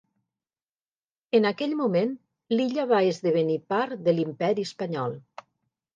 En aquell moment l'illa va esdevenir part de l'Imperi Espanyol.